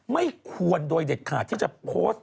ไม่ควรโดยเด็ดขาดที่จะโพสต์